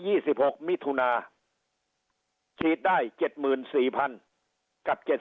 ี่สิบหกมิถุนาฉีดได้เจ็ดหมื่นสี่พันกับเจ็ด